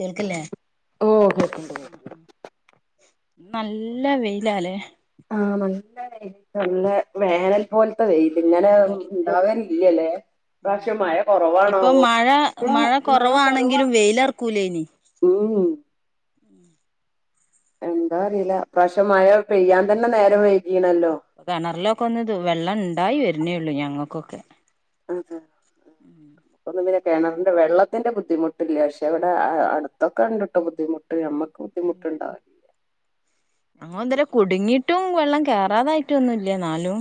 കേൾക്കില്ലേ ഓ കേക്കിൻഡ് ആഹ് കേക്കി ആഹ് നല്ല വെയിലാലേ, ആഹ നല്ല രീതി നല്ല വേനൽ പോലത്തതെ വെയില് ഇങ്ങനെ വേനൽ പോലത്തെ ണ്ടാവലില്ലലെ ഉം പക്ഷെ മഴ ഇപ്പൊ കുറവാണാവോ മഴ മഴ കുറവാ കുറവാണെങ്കിലും വെയിലറക്കൂലേനി ഉം എന്താ അറിയില്ല ഇപ്രാവശ്യം മഴ പെയ്യാൻ തന്നെ നേരം വെയി കെണറിലൊക്കെ ഒന്ന് ത് വെള്ളം ഇണ്ടായി വരുന്നേള്ളൂ ഞങ്ങൾക്കൊക്കെ ആ ആ [unintelligible] കിണറിന്റെ വെള്ളത്തിന്റെ ബുദ്ധിമുട്ടില്ല, പക്ഷെ ഇവിടെ അടുത്തൊക്കെണ്ട്ട്ടൊ ബുദ്ധിമുട്ട് നമ്മുക്ക് ബുദ്ധിമുട്ടുണ്ടാ ഞങ്ങളിതുവരെ കുടുങ്ങിട്ടും വെള്ളം കേറാതായിട്ടൊന്നുംല്ല എന്നാലും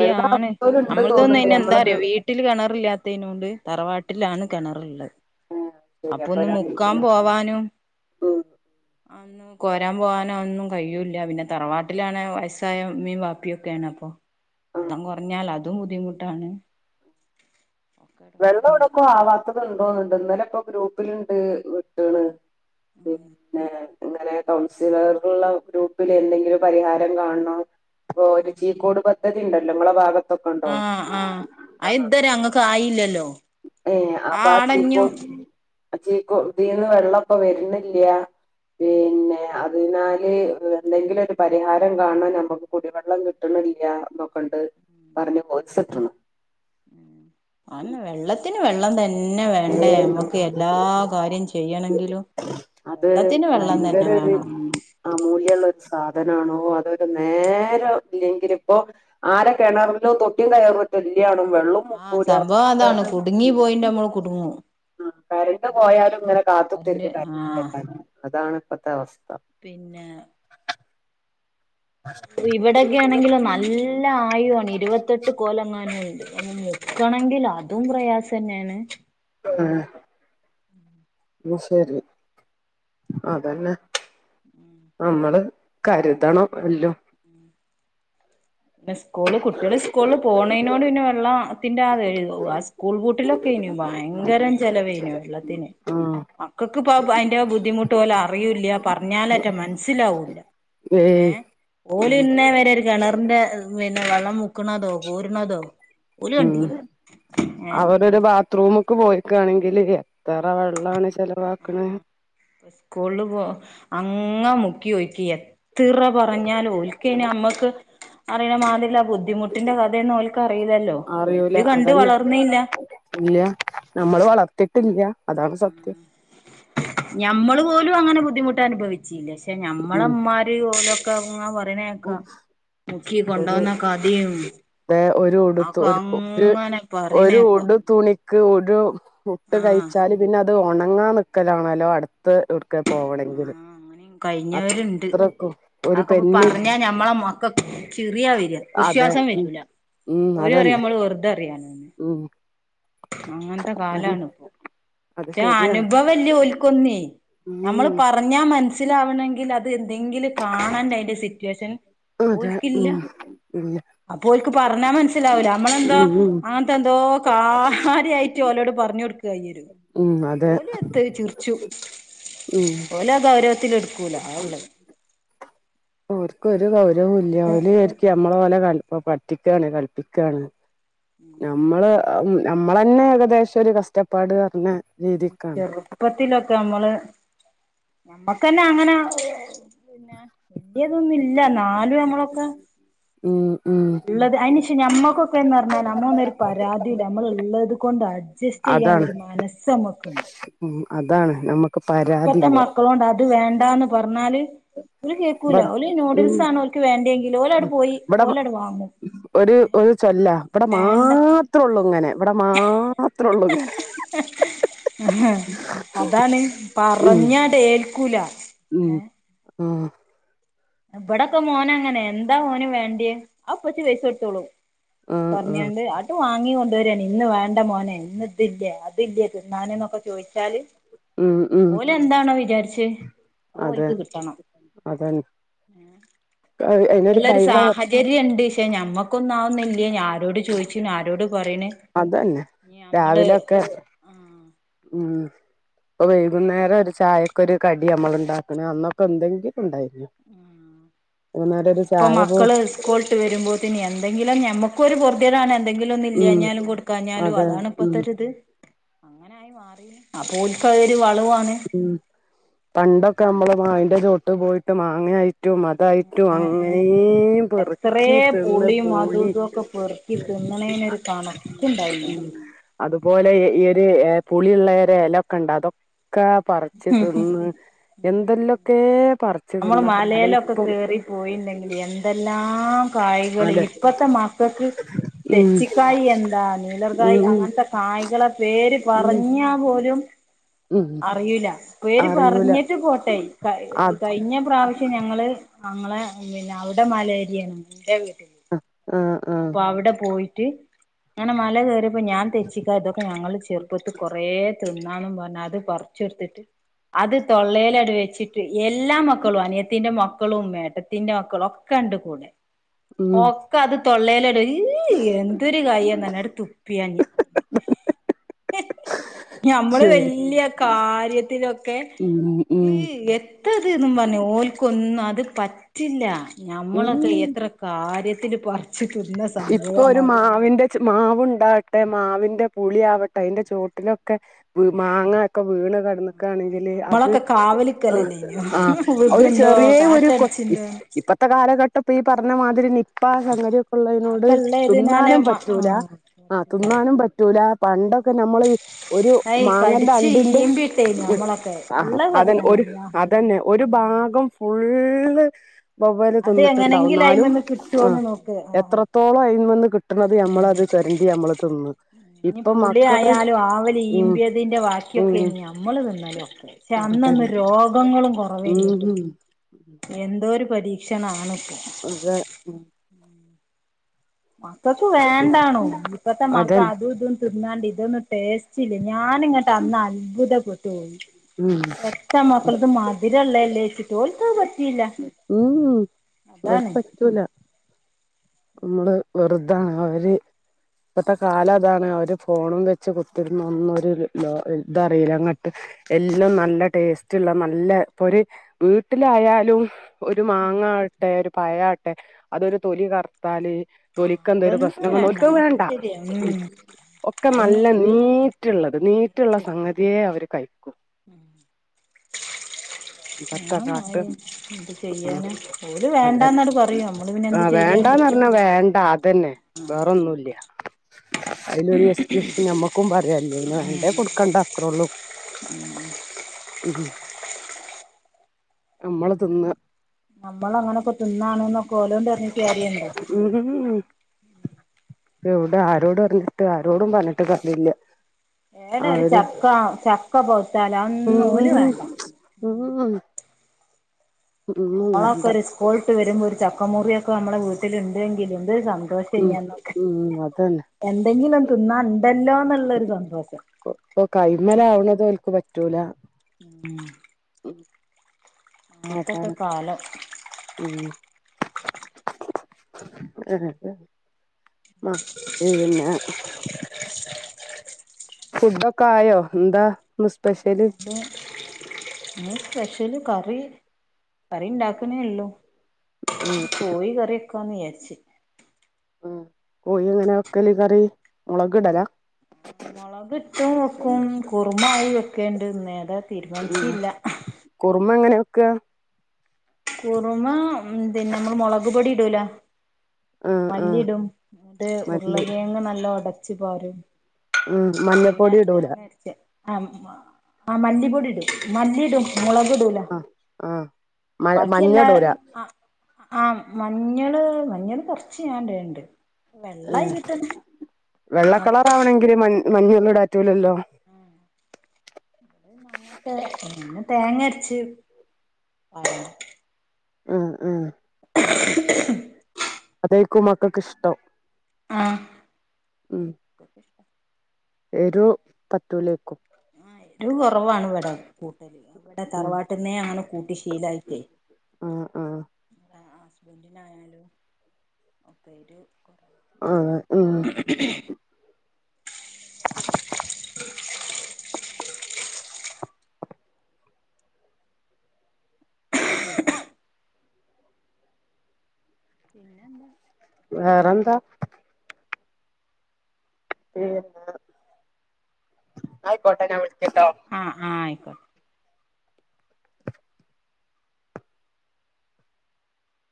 വെള്ളം അവസ്ഥോലുണ്ട് തോന്നുന്നുണ്ട് നമ്മളെ നമ്മൾതൊന്നൈനെഎന്താറിയൊ ഗ്രൂപ്പ് വീട്ടില് കെണറില്ലാത്തയിനോണ്ട് തറവാട്ടിലാണ് കെണറ്ള്ളത്. ശരി അപ്പൊ ഒന്ന് ഒരാ മുക്കാൻ പോവാനും ഉം ഒന്ന് കോരാൻ പോകാനോ ഒന്നും കഴിയൂല്ല, പിന്നെ തറവാട്ടിലാണേ വയസ്സായമ്മീം, ബാപ്പി ഒക്കെണ് അപ്പൊ ആഹ് വെള്ളം കുറഞ്ഞാൽ അതും ബുദ്ധിമുട്ടാണ്. ഒക്കെ വെള്ളം എടങ്ങേറന്നെ ഔടക്കൊ ആവാത്തത് ഇണ്ടോന്നുണ്ട്, ഇന്നലെപ്പോ ഗ്രൂപ്പില്ണ്ട് വിട്ട്ണ് ഉം [unintelligible] അങ്ങനെ കൗൺസിലറ്ള്ള ഗ്രൂപ്പിൽ എന്തെങ്കിലും പരിഹാരം കാണണം. ഇപ്പോ ഒരു ചീക്കോട് പദ്ധതി ണ്ടല്ലോ ങ്ങളെ ഭാഗത്ത് ആ ആഹ് അ ഇത് വരെ ഞങ്ങക്കയില്ലല്ലോ. ഏ ആപ്പചീകൊ ചീകൊ തീർന്ന് വെള്ളം പ്പോ വെർനില്ല പിന്നെ, അതിനാല് എന്തെങ്കിലും ഒരു പരിഹാരം കാണാൻ നമുക്ക് കുടിവെള്ളം കിട്ടണം കിട്ടിണില്ല ഇന്നൊക്കണ്ട് പറഞ്ഞ് വോയിസ്‌ ഇട്ട്ണ് ഉം അതന്നെ വെള്ളത്തിന് വെള്ളം തന്നെ പിന്നെ വേണ്ടേ നമ്മക്ക് എല്ലാ കാര്യം ചെയ്യണങ്കിലും അത് ഭയങ്കര ഒരു അമൂല്യുള്ള സാധനാണോ അതൊരു നേരം ഇല്ലെങ്കിൽ ഇപ്പോ ആരെ കെണറിലും തൊട്ടി കയറും ട്ടില്ലേനും ആസംഭവം അതാണ് കുടുങ്ങിപൊയിണ്ട മ്മള് കുടുങ്ങും. ആ കരണ്ട് പോയാലും ഇങ്ങനെ കറന്റ് കാത്തുകുത്തിരിക ആഹ് [unintelligible] അതാണ് ഇപ്പത്തെ അവസ്ഥ പിന്നെ ഇവിടെക്കേണെങ്കില് നല്ല ആഴി ക്ക് തോന്നി ഇരുപത്തെട്ട് കോലങ്ങാനും ഉണ്ട്. അത് മുക്കണെങ്കില് അതും പ്രയാസന്നേണ്. ആ ഉ ശരി അതന്നെ ഉം നമ്മള് കരുതണം എല്ലോം [unintelligible] സ്കൂള് കുട്ടികൾ സ്കൂളിൽ പോണേനോട് പിന്നെ വെള്ള ത്തിന്റെ [unintelligible] ആ സ്കൂൾ പൂട്ടിലൊക്കെനു ഭയ ഭയങ്കരം ചെലവേനു വെള്ളത്തിന് ഉം മക്കൾക്ക് ഇപ്പ അയിന്റെ ബുദ്ധിമുട്ട് ഓല് അറിയൂല്ല പറഞ്ഞാലറ്റ മനസ്സിലാവൂല്ല ഏ ഏയ് ഉം ഓലിന്നെവരെ കിണറിന്റെ പിന്നെ വെള്ളം മുക്കണതോ കോരുണ തോ ഉം അവരരു ഭാ റൂമക്ക് പോയികയാണെങ്കിൽ എത്രറ വെള്ളാണ് [inaudible] [inaudible] ആ സ്കൂള് പോ ആ അങ്ങ മുക്കിഒയിക്കി എത്ര പറഞ്ഞാലും ഒലിക്കനി നമ്മക്ക് അറിയണ മാതില്ല ബുദ്ധിമുട്ടിന്റെ കഥയൊന്നും ഓൽക്ക് അറിലല്ലോ അറിയൂല ഓൽ കണ്ട് അതന്നെ വളർന്നില്ല ഇല്ല നമ്മൾ വളർത്തിട്ടില്ല അതാണ് സത്യം ഞമ്മള് പോലും അങ്ങനെ ബുദ്ധിമുട്ട് അ നുഭിച്ചില്ല പക്ഷെ നമ്മളെ ഉം ഇമ്മാര് ഓ ലൊക്കെ പറയിണേക്ക മുക്കി ഒരു കൊണ്ടോന്നൊക്കെ കഥീം, ഒരു ഉടുത്ത് ഒരു പറയണേക്കാ ഒരുഉടു തുണി ക്ക് ഒരു ആഹ് പുട്ട്കഴിച്ചാല് പിന്നെ, അത് ഒണങ്ങാൻ നിക്കലാണല്ലോ അടുത്ത് എവിടക്ക പോവണമെങ്കിൽ കയിഞ്ഞവര്ണ്ട് ഒരു അതൊക്കെ ഇപ്പൊ പെന്നിൽ പറഞ്ഞഞമ്മളെ മക്കക്ക് ചിറിയ വര അതെ വിശ്വാസം ഉം വര്ല ഉം ഓല് പറയ അതന്നെ നമ്മള് വെർതെ പറയാനന്ന് ഉം അങ്ങനത്തെ അത് കാലാണ് ഇപ്പൊ [inaudible] [inaudible] അത് ന്റ ശരിയാണ് അനുഭവല്ല ഓൽ കൊന്നേ ഞമ്മൾ ഉം പറഞ്ഞാമനസ്സിലാവേണെങ്കിൽ അത് അത് എന്തെങ്കിലും കാണാണ്ടെ അതിന്റെ സിറ്റുവേഷൻ അതെ ഓൽക്കില്ല ഉം ഇല്ല അപ്പൊ ഓൽക്ക് പറഞ്ഞാ മനസ്സിലാവൂല നമ്മളെന്തോ ഉം ഉം അങ്ങനത്തെ എന്തോ കാ യിട്ട് ഓലോട് പറഞ്ഞു കൊടുക്കയിരും ഉം അതെ ഓല് എത്ത് ചിറിച്ചും ഉം ഓല് അത് ഗൗരവത്തിൽ എടുക്കൂല അതാ ഉള്ളത് അവർക്ക് ഒരു കൗരവും ഇല്ല അങ്ങനത്തെ ഓല് വിചാരിക്കും നമ്മളെ ഓലെ പറ്റിക്കാ ണ് കളിപ്പിക്കാണ് നമ്മള് നമ്മൾ തന്നെ ഏകദേശം ഒരു കഷ്ടപ്പാട് പറഞ്ഞ രീതിക്കാണ് ചെറുപ്പത്തിലൊക്കെ നമ്മള് നമ്മക്കെന്നാ അങ്ങനെ പിന്നെ വല്യതൊന്നുംഇല്ല ന്നാലും നമ്മളൊക്കെ ഉം ഉം ഉള്ളത് അയിന് ശേ ഞമ്മക്കൊ ക്കെന്ന് പറഞ്ഞാൽ നമ്മൾ ഒന്നും പരാതിയില്ല നമ്മൾ ഉള്ളത് കൊണ്ട് അഡ്ജസ്റ്റ് അതാണ് ചെയ്യാനുള്ളഒരു മനസ്സ് നമുക്കുണ്ട് ഉം അതാണ് ഏ നമ്മുക്ക് ഇപ്പത്തെ പരാതില്ല മക്കളോണ്ട് അത് വേണ്ടാന്ന് പറഞ്ഞാ ഓല് കേക്കൂല ഇവിടെ ഓല് ഉം നൂഡിൽസ് ആണോൽക്ക് വേണ്ടെങ്കി ഓലാട് പോയി ഓലാട് വാങ്ങും ഒര് ഒരു ചൊല്ലാ വടെ വേണ്ട മാത്രോള്ളൂ ങ്ങനെ വ്ടെ മാത്രോള്ളൂങ്ങനെ അതാണ് ഉം പറഞ്ഞാടെൽക്കൂല ഏ ഉം. ഇവടൊക്കെ മോനങ്ങനെ എന്താ മോന് വേണ്ട്യേ ആ പ്പച്ചി പൈസൊടുത്തോളൂ ആഹ് ആഹ് പറഞ്ഞാണ്ട് ആട്ട് വാങ്ങി കൊണ്ടരാണ് ഇന്ന് വാണ്ട മോനെ ഇന്ന് അതില്ല്യെ അതില്ല്യെ തിന്നാന് ന്നൊക്കെ ചോയിച്ചാല് ഉം ഉം ഓല് എന്താണോ വിചാര്ച്ചെ അഇ് അതെ ഓൽക്ക് കിട്ടണം. അതന്നെ അയിനൊരു ല്ലെരു കൈവ സാഹചര്യണ്ട് ക്ഷെ ഞമ്മക്കൊന്നവൊന്നില്ലേനി ഞ ആരോട് ചോയ്ച്ചിന് ആരോട് പറയണ് അതന്നെ ഞമ്മള് രാവിലൊക്കെ ആ ഉം. ഇപ്പൊ വൈകുന്നേരം ഒരു ചായക്കൊരു കടി അമ്മള്ണ്ടാക്ക്ണ് അന്നൊക്കെ ന്തെങ്കിലും ണ്ടായി ഇപ്പൊ ചായ പോ മക്കള് സ്കൂള്ട്ട് വരുമ്പോത്തിന് എ എന്തെങ്കിലും ഞമ്മക്കൊരു പൊറ്ത്യേടാണ് എന്തെങ്കിലൊന്ന് ഉം ഇല്ല്യാഞ്ഞാലും കൊടുക്കാഞ്ഞാലും അതെ അതാണ് ഉം ഇപ്പത്തൊരിത് അങ്ങനെയി മാറി അപ്പോ ഓൽക്ക് അഒരു ഉം പണ്ടൊക്കെ അമ്മള് മാവിന്റെ ചോട്ട് പോയിട്ട് മാങ്ങയായിറ്റും ഇതായിട്ടും അങ്ങനേം എത്രേ പെറ്ക്കി തിന്ന് പുളിയും അതും പോളീ ഇതൊക്കെ പെറുക്കി തിന്നണേനൊരു കണക്കുണ്ടായിന് ഉം അതുപോലെ ഈ ഒര് പുളിയ്ള്ളെരെ എലൊക്കെണ്ട് അതൊക്കെ പറച്ച് തിന്ന് എന്തെല്ലൊക്കേ അമ്മള് മലേലൊക്കെ കേറി പോയിണ്ടെങ്കില് എന്തെല്ലാം കായികള് അതെ ഇപ്പത്തെ മ മക്കക്ക് ഉം തെച്ചിക്കായി എന്താ നീലർകായി ഉം ഉം അങ്ങനത്തെ കായികളെ പേര് പറ ഉം ഞാ പോലും ഉം അറിയ്ല പേര് അറിയൂല പറഞ്ഞിട്ട് പോട്ടെ കഴ് അത് കഴിഞ്ഞ പ്രാവ്ശ്യം ഞങ്ങള് നങ്ങളെ പിന്നെ അവടെ മലേരിയാണ് ന്റെ വീട്ടില്, ആഹ് ആഹ് അപ്പൊ അവടെ പോയി ങ്ങനെ മല കേറിയപ്പോ ഞാൻ തെച്ചിക്കാതൊക്കെ ഞങ്ങള് ചെറുപ്പത്ത് കൊറേ തിന്നാന്നും പറഞ്ഞ് അത് പറച്ചൊട്ത്തിട്ട് അത് തൊള്ളേലാട്ട് വെച്ചിട്ട് എല്ലാ മക്കളും അനിയത്തിന്റെ മക്കളും ഏട്ടത്തിന്റെ മക്കളും ഒക്കെണ്ട് കൂടെ ഉം ഓക്കെ അത് തൊള്ളേല ഇയ് എന്തൊരു കായാന്നറഞ്ഞട് തുപ്പ്യാഞ്ഞ് [unintelligible] ഞമ്മള് ശരി വെല്ല്യ കാര്യത്തിലൊക്കെ ഉം ഉം എത്തത് പറഞ്ഞ് ഓൽക്കൊന്നും അത് പറ്റില്ല ഞമ്മളൊക്കെ ഉം എത്ര കാര്യ ത്തിന് പ ഇപ്പൊ ഒരു മാവിന്റെച്ച് മാവുണ്ട മാവിന്റെ പുളിയാവട്ടെ അയിന്റെ ചോട്ടിലൊക്കെ മാങ്ങൊക്കെ വീണ് കെടന്ന്ക്കാണെങ്കില് അത് ഞമ്മളൊക്കെ അ കാവലിക്കലല്ലേനോ ആ ഒരു വികുണ്ടോ ചെറ്യേ ഒരു കൊ കാറ്റടിച്ചിണ്ടോ ഇപ്പത്തെ കാലഘട്ടം ഇപ്പ പറഞ്ഞ മാതിരി നിപ്പ സംഗതി ആക്കെ [inaudible] ഇള്ളേതിനാലെ തിന്നാനും മ പറ്റൂല ആഹ് ആ തിന്നാനും പറ്റൂല പണ്ടൊ നമ്മള് ഒരു അയ് മാങ്ങന്റെ കടിച്ച് അണ്ടിന്റെ ഈമ്പിട്ടേനു നമ്മളൊക്കെ ഇള്ള അതന്നെ ഒരു പറയാണെങ്കിലോ അ അതന്നെ ഒരു ഭാഗം ഫുള്ള് വവ്വാല് അത് തിന്ന്ട്ട്ണ്ടാവും, എങ്ങനെങ്കിലും ന്നാലും അയിമന്ന് ആ കിട്ടോന്ന് നോക്ക് ആഹ് എത്രത്തോളം അയിമന്ന് കിട്ട്ണത് ഞമ്മളത് ചൊരണ്ടി അമ്മള് തിന്ന് ഇഞ് ഇപ്പൊ പുളി മക്കള് ആയാലും ആവല് ഉം ഈമ്പിയതിന്റെ ഉം ബാക്കിയൊക്കേനി ഞമ്മള് തിന്നലു ഒക്കെംഅന്ന് അതന്നെ രോഗങ്ങളും കൊറവേന്നിട്ടോ ഉം എന്തോരൂ പരീക്ഷണാണ് അതെഉം. മക്കൾക്ക് വേണ്ടാണു ഇപ്പത്തെ മക്ക അതന്നെ അതൂതും തിന്നാണ്ട് ഇതൊന്നും ടേസ്റ്റില്ല ഞാനിങ്ങോട്ട് അന്ന് അത്ഭുതപ്പെട്ടുപോയി ഉം എത്ത മക്കളത് മതി ഉള്ളതല്ലേ ചോയിച്ചിട്ട് ഓൽക്ക് അത് പറ്റയില്ല ഉം ഓൽക്ക് പറ്റൂല നമ്മള് വെറുതാണ് അവര് ഇപ്പത്തെ കാലം അതാണ് അവര് ഫോണും വെച്ച് കുത്തിരുന്ന ഒന്നരു ല ഇതറിയില്ല അങ്ങട്ട് എല്ലും നല്ല ടേസ്റ്റ്ള്ള നല്ല ഇപ്പൊ ഒരു വീട്ടിലായാലും ഒരു ഉം മാങ്ങാവട്ടെ ഒരു പയവട്ടെ അതൊരു തൊലി കറുത്താല് ആഹ് തോലിക്ക് എന്ത ഒരു അതൊന്നും പ്രശ്നം വന്നാൽ ഓൽക്ക് അത് അതൊക്കെ വേണ്ട ശരിയാ ഉ ഉം ഒക്കെ അയിന് നല്ല നീറ്റുള്ളത് നീറ്റുള്ള സംഗതിയെ അവർ ഉ ഇപ്പത്തെ ആ കാട്ട് ആയി എന്ത് ചെയ്യാന ആഹ് ഓര് വേണ്ടന്നോട് പറയൂ നമ്മള് പിന്നെ എന്ത് ചെയ്യ വണ്ടാന്ന് പറഞ്ഞാ വേണ്ട അതന്നെ വേറൊന്നുല്ല അതിലരു എസ് ക്ക്യൂസ് നമ്മൾക്കും പറയല്ല അതിന് വേണ്ടേ കൊടുക്കണ്ട അത്രേള്ളൂ ഉ നമ്മള് തിന്ന നമ്മൾ അങ്ങനെൊക്കെ തിന്നണ എന്നൊക്കെ ഓലോണ്ട് പറഞ്ഞ് ട്ട് കാര്യണ്ടൊ എവൗടെ ആരോട് പറഞ്ഞിട്ട് ആരോടും പറഞ്ഞിട്ട് കാര്യല്ല ഏട ഒരു അവര് ചക്ക ചക്ക പോത്താല് ഔന്നും ഓല് ഉം വേണ്ട ഉം ഒന്നും നമ്മളൊക്കെ വേണ്ട ഒരു സ്കൂളട്ട് വരുമ്പോ ഒരു ചക്ക മുറിയൊക്കെ നമ്മെ വീട്ടിലുണ്ടെങ്കിലും സംം ഉം സന്തോഷനീ അന്നൊക്കേ ഉം അതന്നെ എന്തെങ്കിലും തിന്നാ ഉണ്ടല്ലോന്നുള്ളരു സന്തോഷം ഇപ്പൊ കൈമല് ആവണത് ഓൽക്ക് പറ്റൂല ഉം അങ്ങനത്തൊക്കെ അതാണ് കാലം ഉം ആ മന്ന [unintelligible] ഫുഡൊക്കെ ആയോ എന്താ സ് ഫ സ്പെഷ്യല് കറി കറി ഉണ്ടാക്ക്ണെള്ളു ഉം കൊഴി കറി വക്കാന്ന് വിചാരിച്ച് ഉ കോഴിഅ എങ്ങനെ വെക്കല് കറി മുളക് ഇടലാ മുളകിട്ടും വെക്കും കുറുമായി വെക്കേണ്ട്ന്ന നേതാ ആ കുറുമ എങ്ങനെ വെക്ക കുറുമ പിന്നെ നമ്മൾ മുളക് പൊടി ഇടൂല ആഹ് ആഹ് മല്ലിടും അത് മല്ലി ഉരുളകേങ്ങ് നല്ല ഒടച്ച്പാരും ഉം മഞ്ഞപ്പൊടി ഇടൂല ആ ആ മല്ലിപ്പൊടി ഇടും മല്ലിയിടും മുളക് ല ആഹ് ആഹ് മ മഞ്ഞ ബാക്കിയല്ലാ ഇടൂല ആ ആ മഞ്ഞള് മഞ്ഞള് കുറച്ച് ഞാൻണ്ടണ്ട് വെള്ള ആയികിട്ടന്നെ വെള്ളക്കളറ ആവണമെങ്കില് മഞ്ഞൊന്നൂടാറ്റൂലല്ലോ [inaudible] തേങ്ങരച്ച് അ അ ക്കും മക്കക്ക് ഇഷ്ടം ആ ഉം എരു പറ്റൂലേക്കും എരു കൊറവാണ് വടെ കൂട്ടലില്ല വ്ടെ ഉം തറവാട്ട്ന്നേ അങ്ങനെ കൂട്ടി ശീലായിട്ടേ ആഹ് ആഹ് ഹസ്ബൻഡിനായാലും ഒക്കെ എരു ആ ആ [inaudible] പിന്നെന്താ വേറെന്താ പിന്നെ ന്നായിക്കോട്ടെ ഞാൻ വിളി ആ ആ അയ്